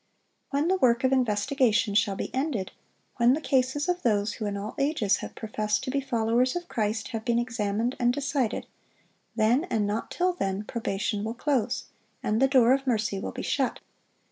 When the work of investigation shall be ended, when the cases of those who in all ages have professed to be followers of Christ have been examined and decided, then, and not till then, probation will close, and the door of mercy will be shut.